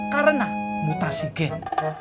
karena mutasi gen